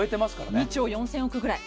２兆４０００億円くらい。